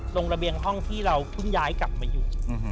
ตรงระเบียงห้องที่เราคุ้นย้ายกลับมาอยู่